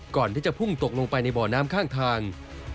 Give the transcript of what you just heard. ก่อนที่จะพุ่งตกลงไปในบ่อน้ำข้างทาง